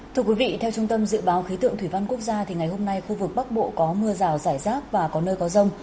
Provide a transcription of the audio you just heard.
thưa quý vị theo trung tâm dự báo khí tượng thủy văn quốc gia ngày hôm nay khu vực bắc bộ có mưa rào rải rác và có nơi có rông